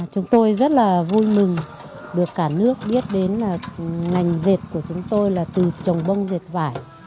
chúng tôi rất là vui mừng được cả nước biết đến là ngành dệt của chúng tôi là từ trồng bông dệt vải